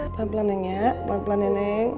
pelan pelan ya neng